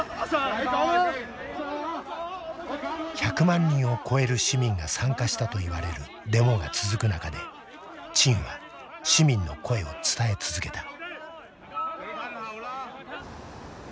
１００万人を超える市民が参加したといわれるデモが続く中で陳は市民の声を伝え続けた。